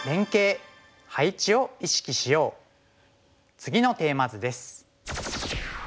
次のテーマ図です。